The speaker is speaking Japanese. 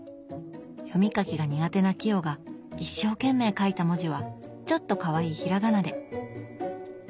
読み書きが苦手な清が一生懸命書いた文字はちょっとかわいい平仮名で。